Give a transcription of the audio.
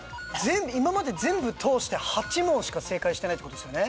今まで全部通して８問しか正解してないってことですよね。